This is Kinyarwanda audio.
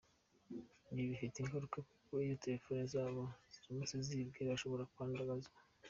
Ibi bifite ingaruka kuko iyo telefone zabo ziramutse zibwe bashobora kwandagazwa.